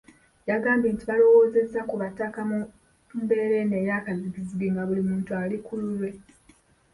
Yagambye nti balowoozezza ku Bataka mu mbeera eno eyakazigizigi nga buli muntu ali ku lulwe.